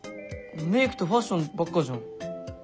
メークとファッションばっかじゃん。